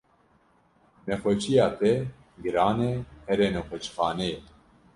Nexweşiya te giran e here nexweşxaneyê.